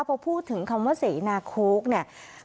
พอพูดถึงคำว่าเสนาโค้กเนี่ย